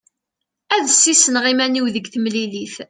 Ad d-ssisneɣ iman-iw deg temlilit.